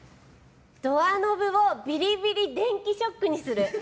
ドアノブをビリビリ電気ショックにする。